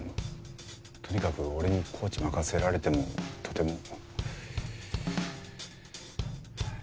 とにかく俺にコーチ任せられてもとても。